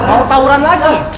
mau tawuran lagi